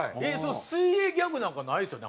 水泳ギャグなんかないですよね？